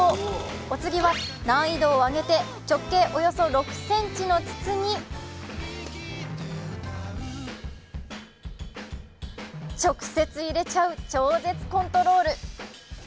お次は難易度を上げて直径およそ６ｃｍの筒に直接入れちゃう超絶コントロール。